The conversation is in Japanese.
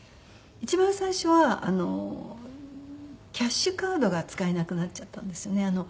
一番最初はあのキャッシュカードが使えなくなっちゃったんですよね。